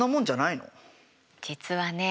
実はね